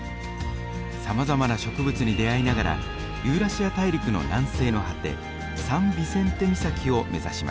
さまざまな植物に出会いながらユーラシア大陸の南西の果てサン・ビセンテ岬を目指します。